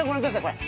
これ。